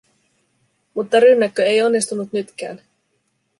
Mutta rynnäkkö ei onnistunut nytkään.